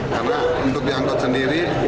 karena untuk diangkot sendiri